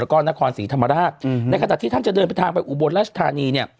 แล้วก็นครศรีธรรมราชในขณะที่ท่านจะเดินทางไปอุบลราชธานีเนี่ย